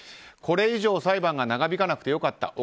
これ以上裁判が長引かなくて良かった。